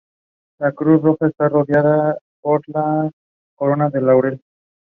Martine was again to selected to play from the bench by coach Jack Gibson.